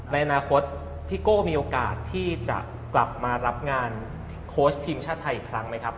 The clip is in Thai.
ในอนาคตพี่โก้มีโอกาสที่จะกลับมารับงานโค้ชทีมชาติไทยอีกครั้งไหมครับ